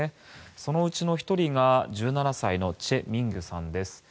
そのうちの１人が１７歳のチェ・ミンギュさんです。